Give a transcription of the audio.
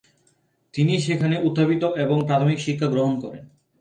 তিনি সেখানে উত্থাপিত এবং প্রাথমিক শিক্ষা গ্রহণ করেন।